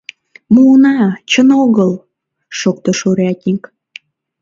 — Муына, чын огыл! — шоктыш урядник.